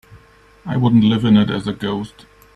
I wouldn't live in it as a ghost.